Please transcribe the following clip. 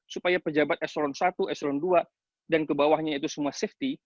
supaya pejabat eselon satu eselon dua dan kebawahnya itu semua safety